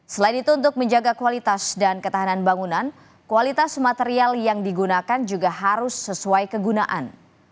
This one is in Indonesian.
selain itu untuk menjaga kualitas dan ketahanan bangunan kualitas material yang digunakan juga harus sesuai kegunaan